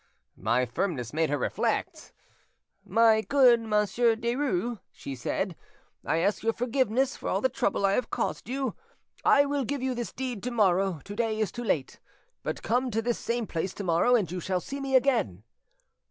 My firmness made her reflect. 'My good Monsieur Derues,' she said, 'I ask your forgiveness for all the trouble I have caused you. I will give you this deed to morrow, to day it is too late; but come to this same place to morrow, and you shall see me again.